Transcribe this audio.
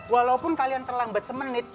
walaupun kalian terlambat semenit